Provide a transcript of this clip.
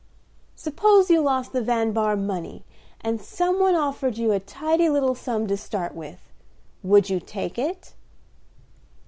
"Suppose you lost the Van Bahr money, and some one offered you a tidy little sum to start with, would you take it?"